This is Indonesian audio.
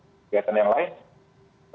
jadi kita menelokasikan